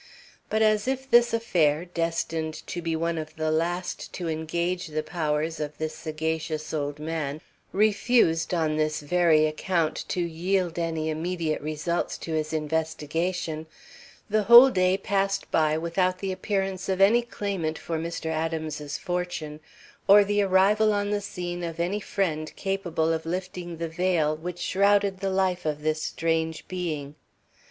But as if this affair, destined to be one of the last to engage the powers of this sagacious old man, refused on this very account to yield any immediate results to his investigation, the whole day passed by without the appearance of any claimant for Mr. Adams's fortune or the arrival on the scene of any friend capable of lifting the veil which shrouded the life of this strange being.